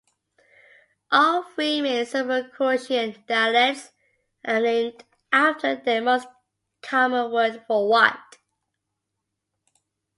All three main Serbo-Croatian dialects are named after their most common word for what?